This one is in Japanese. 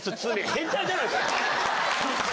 変態じゃないですか。